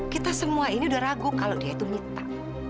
kita semua ini udah ragu kalau dia itu minta